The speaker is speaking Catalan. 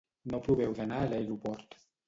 No proveu d'anar a l'aeroport.